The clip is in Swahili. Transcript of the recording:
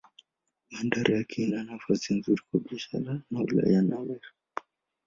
Bandari yake ina nafasi nzuri kwa biashara na Ulaya na Amerika.